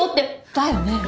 だよね？